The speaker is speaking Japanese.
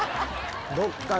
どっかで。